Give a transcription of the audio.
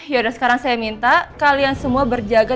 yaudah sekarang saya minta kalian semua berjaga